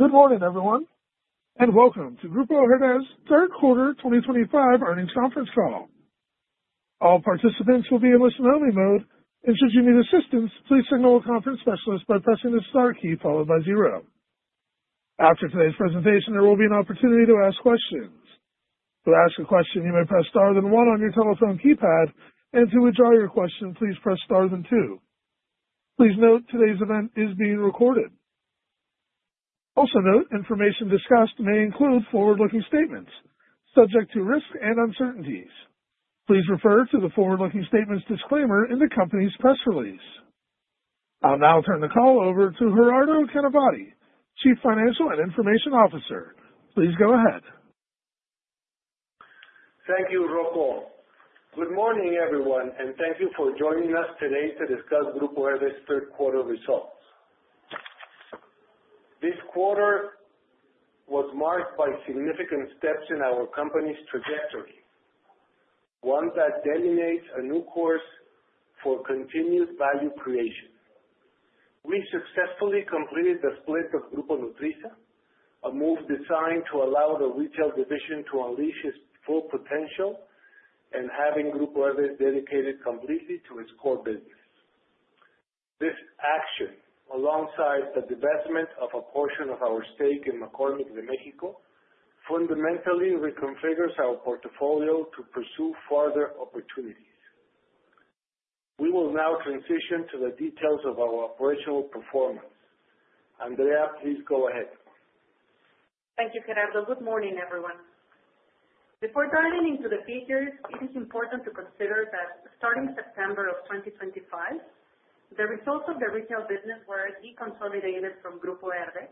Good morning, everyone, and welcome to Grupo Herdez Third Quarter 2025 Earnings Conference Call. All participants will be in listen-only mode, and should you need assistance, please signal a conference specialist by pressing the star key followed by zero. After today's presentation, there will be an opportunity to ask questions. To ask a question, you may press star then one on your telephone keypad, and to withdraw your question, please press star then two. Please note today's event is being recorded. Also note, information discussed may include forward-looking statements subject to risk and uncertainties. Please refer to the forward-looking statements disclaimer in the Company's press release. I'll now turn the call over to Gerardo Canavati, Chief Financial and Information Officer. Please go ahead. Thank you, Rocco. Good morning, everyone, and thank you for joining us today to discuss Grupo Herdez' third Quarter Results. This quarter was marked by significant steps in our company's trajectory, one that delineates a new course for continued value creation. We successfully completed the split of Grupo Nutrisa, a move designed to allow the Retail division to unleash its full potential and having Grupo Herdez dedicated completely to its core business. This action, alongside the divestment of a portion of our stake in McCormick de México, fundamentally reconfigures our portfolio to pursue further opportunities. We will now transition to the details of our operational performance. Andrea, please go ahead. Thank you, Gerardo. Good morning, everyone. Before diving into the figures, it is important to consider that starting September of 2025, the results of the Retail business were deconsolidated from Grupo Herdez.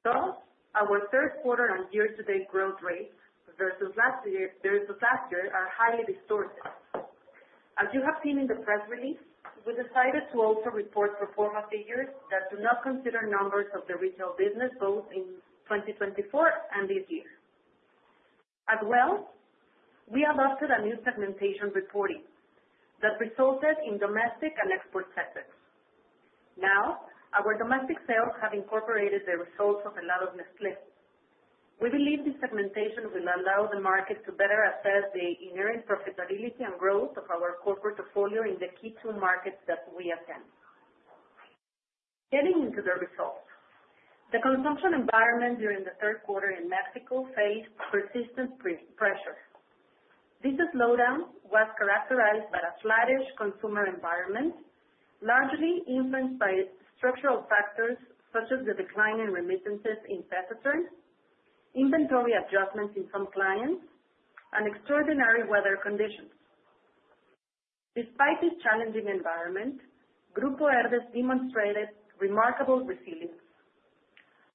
Thus, our third quarter and year-to-date growth rates versus last year are highly distorted. As you have seen in the press release, we decided to also report pro forma figures that do not consider numbers of the Retail business both in 2024 and this year. As well, we adopted a new segmentation reporting that resulted in Domestic and Export FX. Now, our domestic sales have incorporated the results of Helados Nestlé. We believe this segmentation will allow the market to better assess the inherent profitability and growth of our core portfolio in the key two markets that we attend. Getting into the results, the consumption environment during the third quarter in Mexico faced persistent pressure. This slowdown was characterized by a sluggish consumer environment, largely influenced by structural factors such as the decline in remittances in pesos, inventory adjustments in some clients, and extraordinary weather conditions. Despite this challenging environment, Grupo Herdez demonstrated remarkable resilience.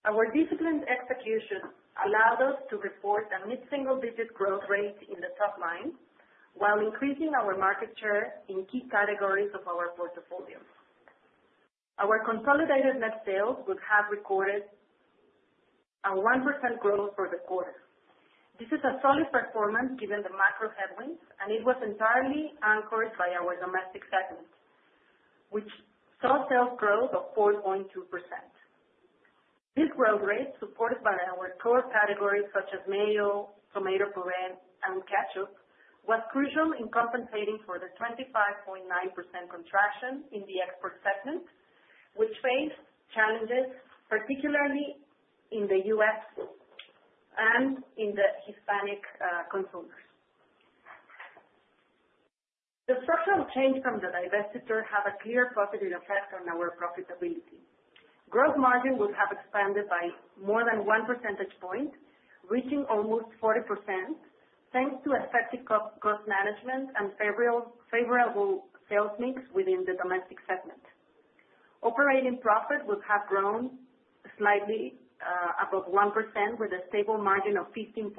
Our disciplined execution allowed us to report a mid-single-digit growth rate in the top line while increasing our market share in key categories of our portfolio. Our consolidated net sales would have recorded a 1% growth for the quarter. This is a solid performance given the macro headwinds, and it was entirely anchored by our Domestic segment, which saw sales growth of 4.2%. This growth rate, supported by our core categories such as mayo, tomato purée, and ketchup, was crucial in compensating for the 25.9% contraction in the Export segment, which faced challenges particularly in the U.S. and in the Hispanic consumers. The structural change from the divestiture had a clear positive effect on our profitability. Gross margin would have expanded by more than one percentage point, reaching almost 40%, thanks to effective cost management and favorable sales mix within the Domestic segment. Operating profit would have grown slightly above 1% with a stable margin of 15.3%,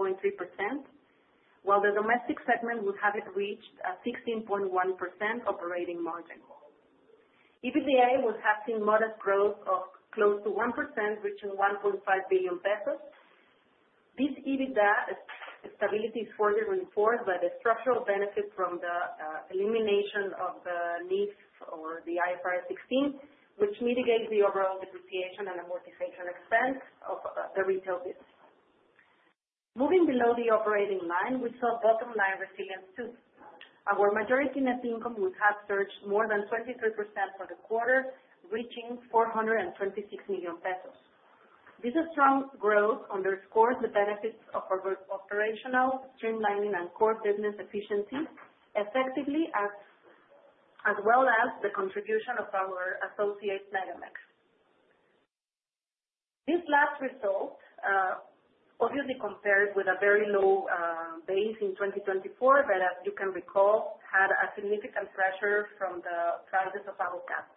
while the Domestic segment would have reached a 16.1% operating margin. EBITDA would have seen modest growth of close to 1%, reaching 1.5 billion pesos. This EBITDA stability is further reinforced by the structural benefit from the elimination of the lease or the IFRS 16, which mitigates the overall depreciation and amortization expense of the retail business. Moving below the operating line, we saw bottom-line resilience too. Our majority net income would have surged more than 23% for the quarter, reaching 426 million pesos. This strong growth underscores the benefits of our operational streamlining and core business efficiency effectively, as well as the contribution of our associate MegaMex. This last result, obviously compared with a very low base in 2024, but as you can recall, had a significant pressure from the prices of avocado,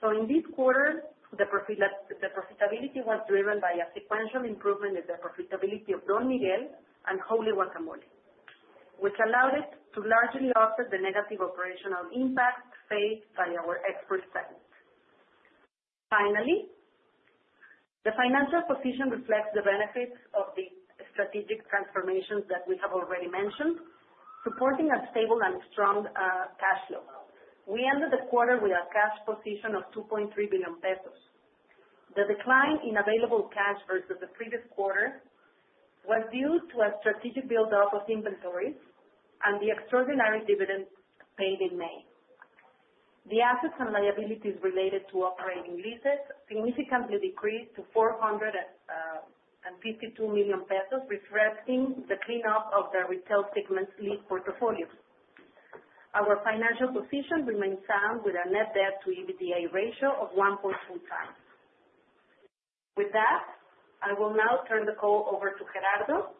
so in this quarter, the profitability was driven by a sequential improvement in the profitability of Don Miguel and Wholly Guacamole, which allowed us to largely offset the negative operational impact faced by our Export segment. Finally, the financial position reflects the benefits of the strategic transformations that we have already mentioned, supporting a stable and strong cash flow. We ended the quarter with a cash position of 2.3 billion pesos. The decline in available cash versus the previous quarter was due to a strategic build-up of inventories and the extraordinary dividend paid in May. The assets and liabilities related to operating leases significantly decreased to 452 million pesos, reflecting the cleanup of the Retail segment's lease portfolios. Our financial position remained sound with a net debt to EBITDA ratio of 1.2x. With that, I will now turn the call over to Gerardo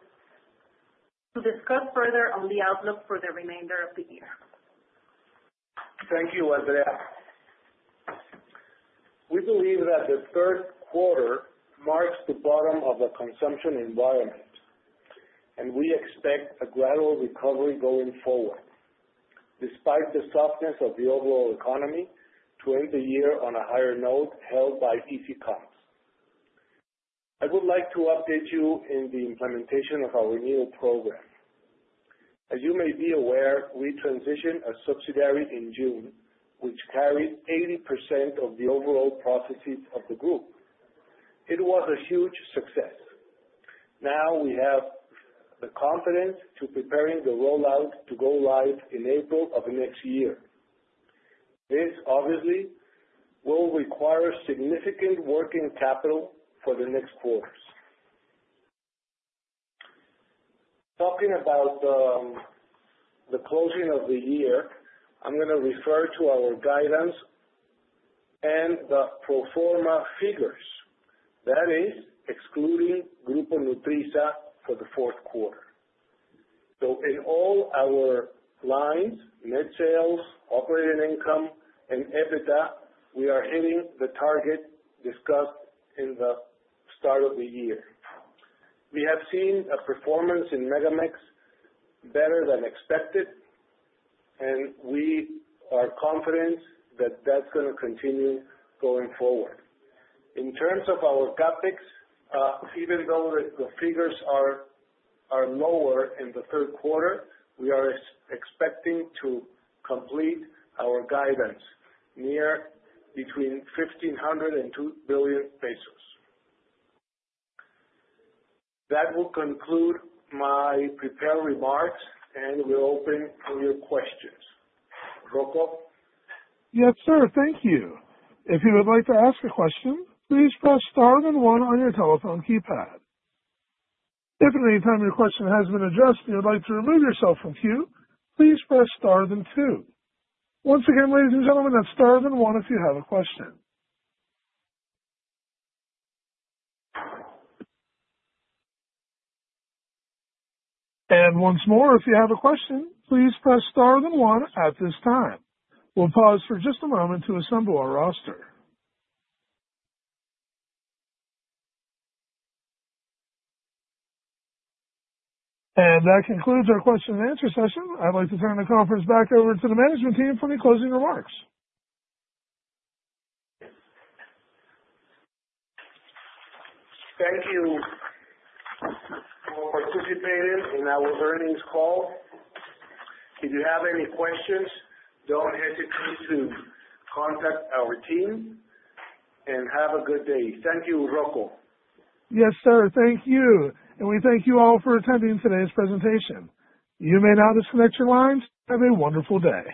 to discuss further on the outlook for the remainder of the year. Thank you, Andrea. We believe that the third quarter marks the bottom of the consumption environment, and we expect a gradual recovery going forward, despite the softness of the overall economy, to end the year on a higher note held by economists. I would like to update you on the implementation of our new program. As you may be aware, we transitioned a subsidiary in June, which carried 80% of the overall profits of the Group. It was a huge success. Now we have the confidence to prepare the rollout to go live in April of next year. This, obviously, will require significant working capital for the next quarters. Talking about the closing of the year, I'm going to refer to our guidance and the pro forma figures. That is, excluding Grupo Nutrisa for the fourth quarter. So in all our lines, net sales, operating income, and EBITDA, we are hitting the target discussed in the start of the year. We have seen a performance in MegaMex better than expected, and we are confident that that's going to continue going forward. In terms of our CapEx, even though the figures are lower in the third quarter, we are expecting to complete our guidance near between 1,500 billion and 2 billion pesos. That will conclude my prepared remarks, and we're open for your questions. Rocco? Yes, sir. Thank you. If you would like to ask a question, please press star then one on your telephone keypad. If at any time your question has been addressed and you'd like to remove yourself from the queue, please press star then two. Once again, ladies and gentlemen, that's star then one if you have a question. And once more, if you have a question, please press star then one at this time. We'll pause for just a moment to assemble our roster. And that concludes our question and answer session. I'd like to turn the conference back over to the management team for any closing remarks. Thank you for participating in our earnings call. If you have any questions, don't hesitate to contact our team, and have a good day. Thank you, Rocco. Yes, sir. Thank you. And we thank you all for attending today's presentation. You may now disconnect your lines. Have a wonderful day.